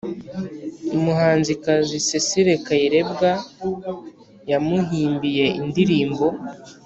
Umuhanzikazi Cecile Kayirebwa yamuhimbiye indirimbo